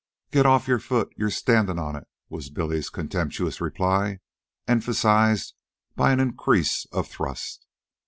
"Get off your foot; you're standin' on it," was Billy's contemptuous reply, emphasized by an increase of thrust.